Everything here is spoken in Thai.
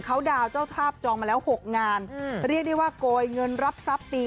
เขาดาวน์เจ้าภาพจองมาแล้ว๖งานเรียกได้ว่าโกยเงินรับทรัพย์ปี